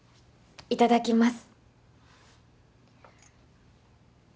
いただきます。